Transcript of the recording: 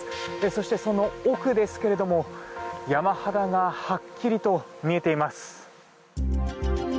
そして、その奥ですけれど山肌がはっきりと見えています。